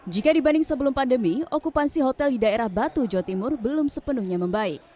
jika dibanding sebelum pandemi okupansi hotel di daerah batu jawa timur belum sepenuhnya membaik